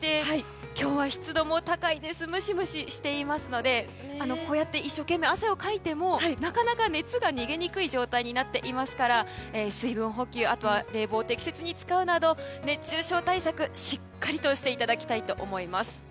今日は湿度も高くムシムシしていますのでこうやって一生懸命汗をかいてもなかなか熱が逃げにくい状態になっていますから水分補給、また冷房を適切に使うなど熱中症対策、しっかりとしていただきたいと思います。